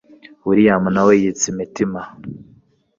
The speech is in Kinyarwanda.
william nawe yitsa imitima